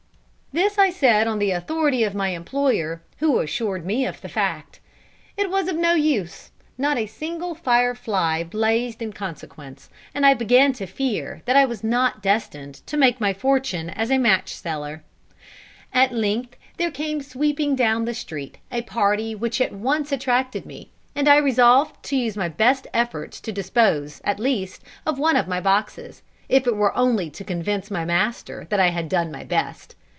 This I said on the authority of my employer, who assured me of the fact. It was of no use; not a single "fire fly" blazed in consequence, and I began to fear that I was not destined to make my fortune as a match seller. At length there came sweeping down the street a party which at once attracted me, and I resolved to use my best efforts to dispose, at least, of one of my boxes, if it were only to convince my master that I had done my best.